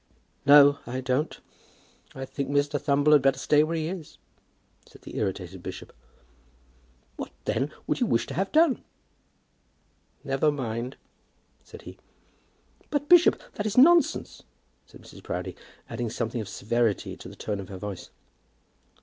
"No, I don't. I think Mr. Thumble had better stay where he is," said the irritated bishop. "What, then, would you wish to have done?" "Never mind," said he. "But, bishop, that is nonsense," said Mrs. Proudie, adding something of severity to the tone of her voice.